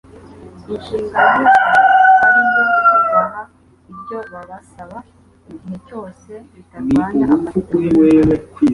inshingano yabo ari iyo kubaha ibyo babasaba igihe cyose bitarwanya amategeko y'ijuru.